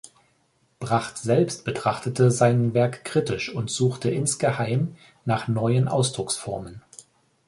Bracht selbst betrachtete sein Werk kritisch und suchte insgeheim nach neuen Ausdrucksformen.